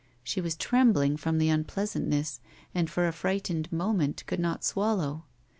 She was trembling from the tmpleasantness, and for a fright ened moment could not swallow.